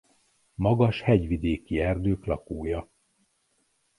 Magas hegyvidéki erdők lakója.